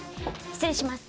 失礼します。